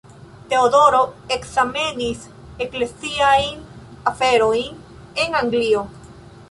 Teodoro ekzamenis ekleziajn aferojn en Anglio.